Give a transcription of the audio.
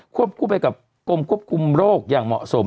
คู่ไปกับกรมควบคุมโรคอย่างเหมาะสม